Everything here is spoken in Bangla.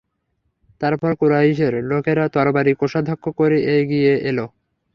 তারপর কুরাইশের লোকেরা তরবারী কোষাবদ্ধ করে এগিয়ে এল।